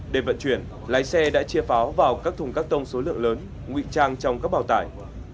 để vận chuyển lái xe đã chia pháo vào các thùng cắt tông số lượng lớn nguy trang trong các bào tải